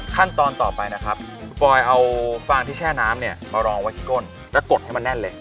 ขั้นตอนต่อไปนะครับปลอยเอาฟางที่แช่น้ำเนี่ยมารองไว้ที่ก้นแล้วกดให้มันแน่นเลย